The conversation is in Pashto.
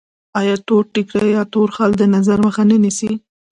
آیا تور ټیکری یا تور خال د نظر مخه نه نیسي؟